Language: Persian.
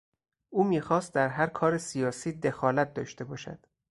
او میخواست در هر کار سیاسی دخالت داشته باشد.